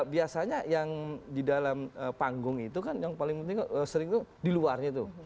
biasanya yang di dalam panggung itu kan yang paling penting sering itu di luarnya itu